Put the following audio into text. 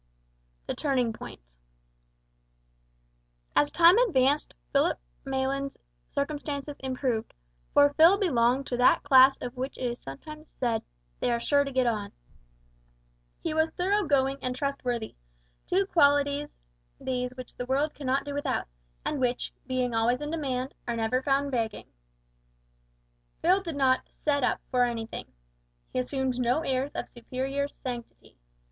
THE TURNING POINT. As time advanced Philip Maylands' circumstances improved, for Phil belonged to that class of which it is sometimes said "they are sure to get on." He was thorough going and trustworthy two qualities these which the world cannot do without, and which, being always in demand, are never found begging. Phil did not "set up" for anything. He assumed no airs of superior sanctity.